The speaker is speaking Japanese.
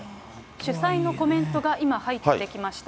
主催のコメントが、今、入ってきました。